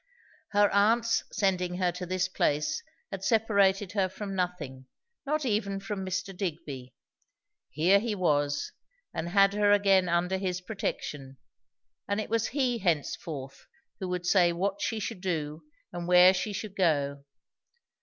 Her aunt's sending her to this place had separated her from nothing, not even from Mr. Digby. Here he was, and had her again under his protection; and it was he henceforth who would say what she should do and where she should go.